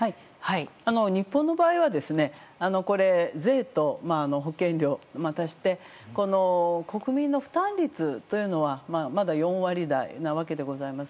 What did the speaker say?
日本の場合はですね税と保険料足して国民の負担率というのはまだ４割台なわけでございます。